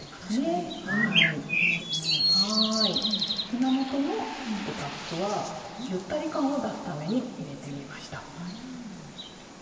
胸元のタックはゆったり感を出すために入れてみました。